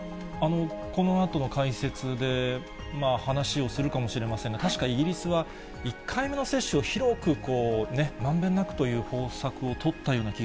このあとの解説で話をするかもしれませんが、確か、イギリスは１回目の接種を広くまんべんなくという方策を取ったよ